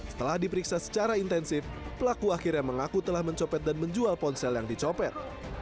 setelah diperiksa secara intensif pelaku akhirnya mengaku telah mencopet dan menjual ponsel yang dicopet